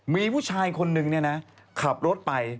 มีผู้ชายคนหนึ่งนะขับรถไป